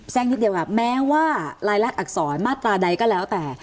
นิดเดียวค่ะแม้ว่ารายลักษณอักษรมาตราใดก็แล้วแต่